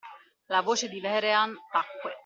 La voce di Vehrehan tacque.